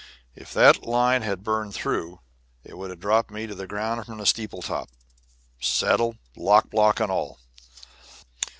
If that line had burned through it would have dropped me to the ground from the steeple top, saddle, lock block, and all.